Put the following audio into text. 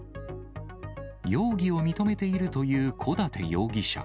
容疑を認めているという小館容疑者。